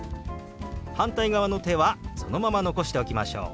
反対側の手はそのまま残しておきましょう。